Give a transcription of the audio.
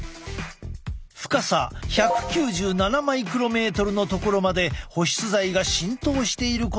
深さ１９７マイクロメートルのところまで保湿剤が浸透していることが分かった。